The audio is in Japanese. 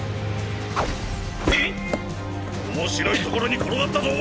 面白い所に転がったぞ！